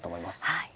はい。